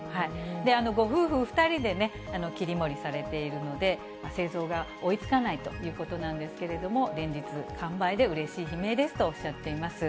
ご夫婦２人で切り盛りされているので、製造が追いつかないということなんですけれども、連日完売で、うれしい悲鳴ですとおっしゃっています。